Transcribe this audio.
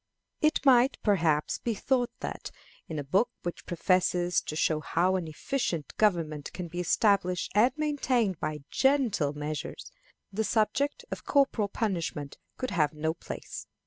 It might, perhaps, be thought that, in a book which professes to show how an efficient government can be established and maintained by gentle measures, the subject of corporal punishment could have no place.